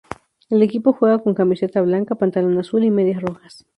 El equipo juega con camiseta blanca, pantalón azul y medias rojas.